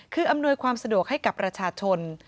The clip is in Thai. คืออำนวยความสะดวกให้กับประชาชน